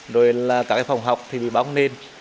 rồi là cả cái phong học thì bị bóng lên